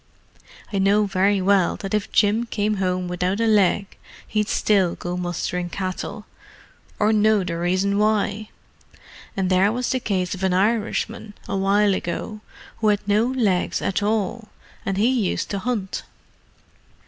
I know very well that if Jim came home without a leg he'd still go mustering cattle, or know the reason why! And there was the case of an Irishman, a while ago, who had no legs at all—and he used to hunt."